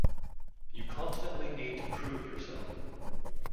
You constantly need to prove yourself.